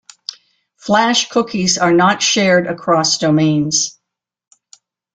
Flash cookies are not shared across domains.